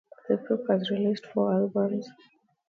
The group has released four albums.